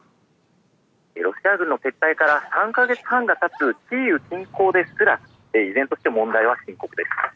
ロシア軍の撤退から３か月半がたつキーウ近郊ですら、依然として問題は深刻です。